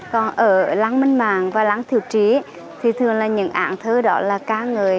còn ở lăng minh mạng và lăng thiệu trí thì thường là những án thơ đó là ca người